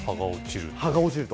葉が落ちると。